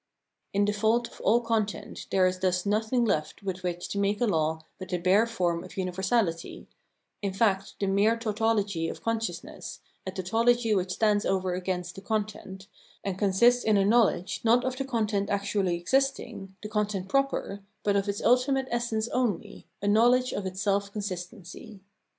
* In default of all content, there is thus nothing left with which to make a law but the bare form of universality, in fact, the mere tautology of consciousness, a tautology which stands over against the content, and consists in a knowledge, not of the content actually existing, the content proper, but of its ultimate essence only, a knowledge of its self consistency.